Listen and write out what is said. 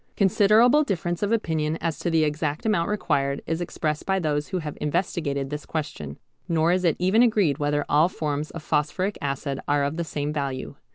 Considerable difference of opinion as to the exact amount required is expressed by those who have investigated this question, nor is it even agreed whether all forms of phosphoric acid are of the same value.